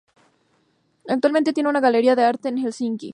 Actualmente tiene una galería de arte en Helsinki.